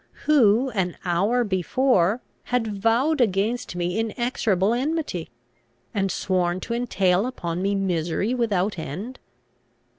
who, an hour before, had vowed against me inexorable enmity, and sworn to entail upon me misery without end?